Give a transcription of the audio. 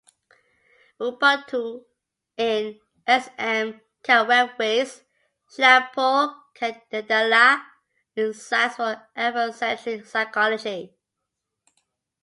Ubuntu in S. M. Kapwepwe's "Shalapo Canicandala": Insights for Afrocentric psychology.